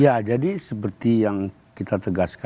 ya jadi seperti yang kita tegaskan